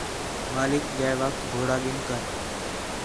مالک جئے وخت گھوڑا گِن کر